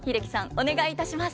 お願いいたします。